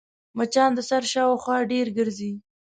مچان د سر شاوخوا ډېر ګرځي